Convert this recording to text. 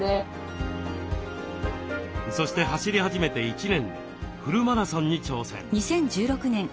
そして走り始めて１年でフルマラソンに挑戦。